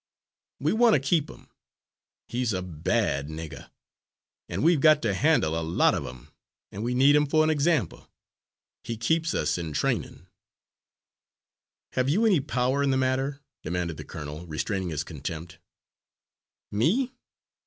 We want to keep 'im; he's a bad nigger, an' we've got to handle a lot of 'em, an' we need 'im for an example he keeps us in trainin'." "Have you any power in the matter?" demanded the colonel, restraining his contempt. "Me?